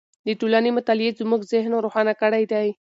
د ټولنې مطالعې زموږ ذهن روښانه کړی دی.